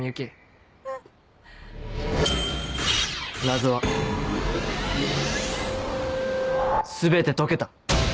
謎は全て解けた。